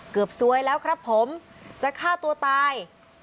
ซวยแล้วครับผมจะฆ่าตัวตาย